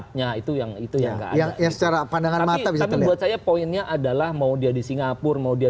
pdip lahir dari pdi